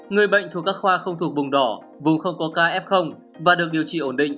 người bệnh thuộc các khoa không thuộc vùng đỏ vùng không có kf và được điều trị ổn định